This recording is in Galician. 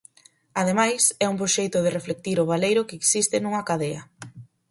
Ademais é un bo xeito de reflectir o baleiro que existe nunha cadea.